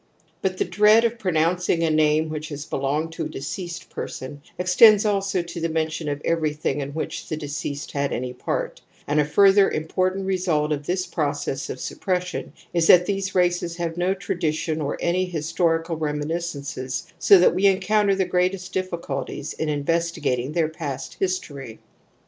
But the dread of pro nouncing a name which has belonged to a de ceased person extends also to the mention of everything in which the deceased had any part, and a further important result of this process of suppression is that these races have no tradition or any historical reminiscences, so that we en counter the greatest difficulties in investigating their past history.